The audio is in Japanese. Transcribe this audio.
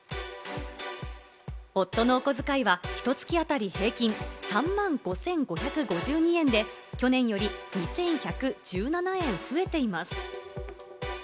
夫のおこづかいはひと月あたり平均３万５５５２円で、去年より２１１７円増えています。